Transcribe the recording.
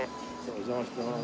お邪魔してます。